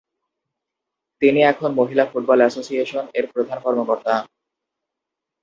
তিনি এখন মহিলা ফুটবল অ্যাসোসিয়েশন এর প্রধান কর্মকর্তা।